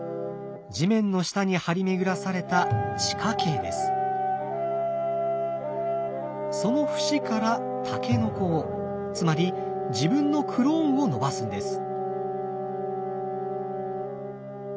地面の下に張り巡らされたその節からタケノコをつまり自分のクローンを伸ばすんです。